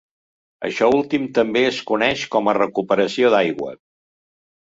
Això últim també es coneix com a recuperació d'aigua.